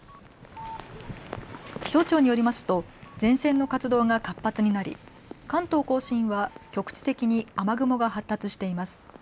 気象庁によりますと前線の活動が活発になり関東甲信は局地的に雨雲が発達しています。